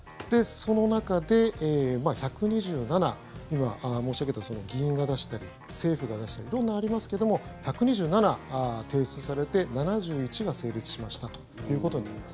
その中で１２７今申し上げた議員が出したり政府が出したり色んなのがありますけど１２７提出されて７１が成立しましたということになります。